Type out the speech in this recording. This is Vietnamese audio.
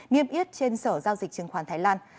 nghiêm yết trên sở giao dịch trường khoản thái lan